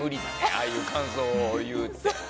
ああいう感想を言うって。